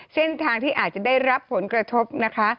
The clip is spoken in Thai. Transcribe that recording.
เส้นทางที่อาจจะได้รับผลกระทบนะคะ